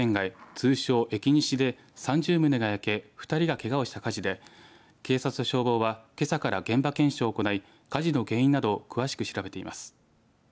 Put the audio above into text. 通称エキニシで３０棟が焼け２人がけがをした火事で警察と消防はけさから現場検証を行い火事の原因など詳しく調べています。